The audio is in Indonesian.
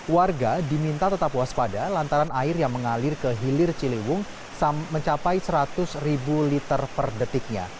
warga diminta tetap waspada lantaran air yang mengalir ke hilir ciliwung mencapai seratus ribu liter per detiknya